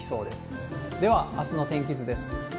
では、あすの天気図です。